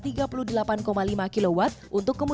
untuk kemudian mengambil sepeda